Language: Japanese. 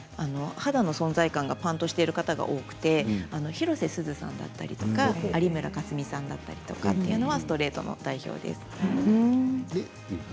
肌の存在感がパンとしてる方が多くて広瀬すずさんだったり有村架純さんだったりというのはストレートの代表です。